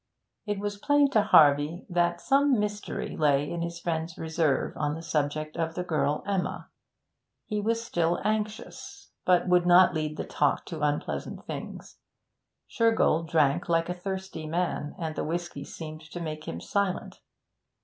It was plain to Harvey that some mystery lay in his friend's reserve on the subject of the girl Emma; he was still anxious, but would not lead the talk to unpleasant things. Shergold drank like a thirsty man, and the whisky seemed to make him silent.